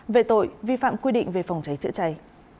về tội vi phạm quy định về phòng cháy chữa cháy